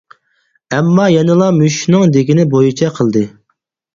ئەمما يەنىلا مۈشۈكنىڭ دېگىنى بويىچە قىلدى.